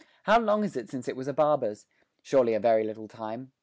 How long is it since it was a barber's? surely a very little time.